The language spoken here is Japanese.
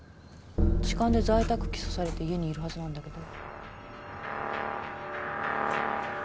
痴漢で在宅起訴されて家にいるはずなんだけど。